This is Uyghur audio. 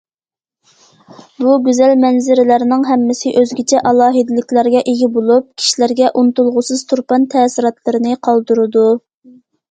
بۇ گۈزەل مەنزىرىلەرنىڭ ھەممىسى ئۆزگىچە ئالاھىدىلىكلەرگە ئىگە بولۇپ، كىشىلەرگە ئۇنتۇلغۇسىز تۇرپان تەسىراتلىرىنى قالدۇرىدۇ.